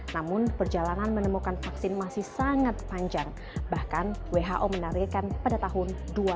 namun perjalanan menemukan vaksin masih sangat panjang bahkan who menarikkan pada tahun dua ribu dua puluh